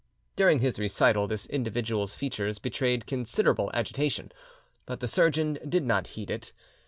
During his recital this individual's features betrayed considerable agitation, but the surgeon did not heed it.